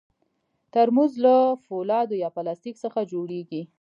ترموز له فولادو یا پلاستیک څخه جوړېږي.